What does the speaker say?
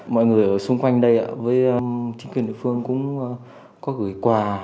mọi người ở xung quanh đây với chính quyền địa phương cũng có gửi quà